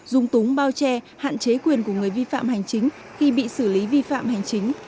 dùng túng bao che hạn chế quyền của người vi phạm hành chính khi bị xử lý vi phạm hành chính